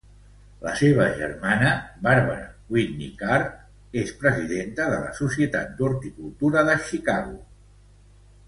La seva germana, Barbara Whitney Carr, és presidenta de la Societat d'horticultura de Chicago.